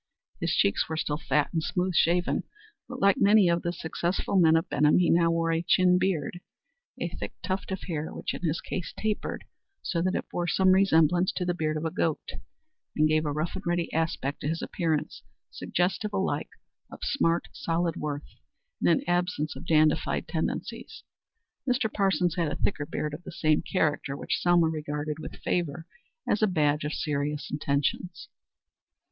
His cheeks were still fat and smooth shaven, but, like many of the successful men of Benham, he now wore a chin beard a thick tuft of hair which in his case tapered so that it bore some resemblance to the beard of a goat, and gave a rough and ready aspect to his appearance suggestive alike of smart, solid worth and an absence of dandified tendencies. Mr. Parsons had a thicker beard of the same character, which Selma regarded with favor as a badge of serious intentions.